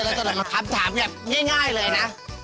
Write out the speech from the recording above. แล้วจะมาทำถามเนี่ยง่ายเลยนะ